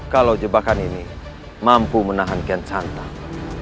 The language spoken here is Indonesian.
kalau jebakan ini mampu menahan kian santang